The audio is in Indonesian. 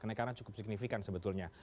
kenaikan cukup signifikan sebetulnya